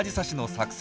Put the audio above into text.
作戦？